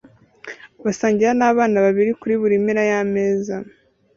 basangira nabana babiri kuri buri mpera yameza